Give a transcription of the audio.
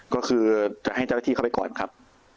ก็คือจะให้เจ้าหน้าที่เข้าไปก่อนครับ